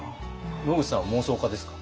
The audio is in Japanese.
野口さんは妄想家ですか？